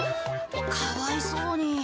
かわいそうに。